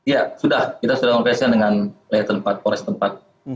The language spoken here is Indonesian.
ya sudah kita sudah mengoperasikan dengan wilayah tempat kores tempat